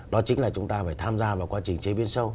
đó chính là chúng ta phải tham gia vào quá trình chế biến sâu